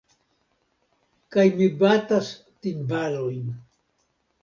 Kaj mi batos timbalojn.